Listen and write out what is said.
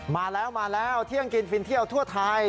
มาแล้วมาแล้วเที่ยงกินฟินเที่ยวทั่วไทย